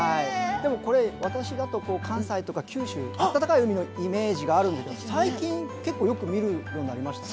でもこれ私だと関西とか九州暖かい海のイメージがあるんで最近結構よく見るようになりましたね。